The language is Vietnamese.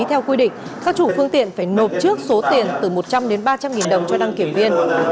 theo quy định các chủ phương tiện phải nộp trước số tiền từ một trăm linh đến ba trăm linh nghìn đồng cho đăng kiểm viên